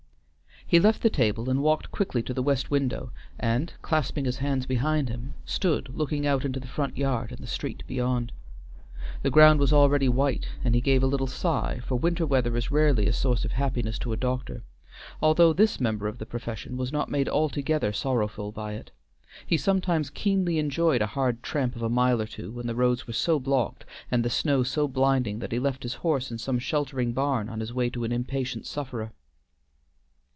He left the table and walked quickly to the west window, and, clasping his hands behind him, stood looking out into the front yard and the street beyond. The ground was already white and he gave a little sigh, for winter weather is rarely a source of happiness to a doctor, although this member of the profession was not made altogether sorrowful by it. He sometimes keenly enjoyed a hard tramp of a mile or two when the roads were so blocked and the snow so blinding that he left his horse in some sheltering barn on his way to an impatient sufferer.